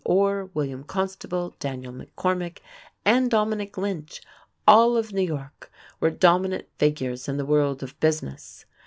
Orr, William Constable, Daniel McCormick, and Dominick Lynch, all of New York, were dominant figures in the world of business.